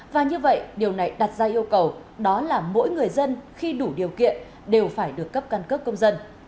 và như vậy điều này đặt ra yêu cầu đó là mỗi người dân khi đủ điều kiện đều phải được cấp căn cước công dân